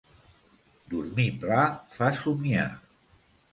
Dormir pla fa somniar.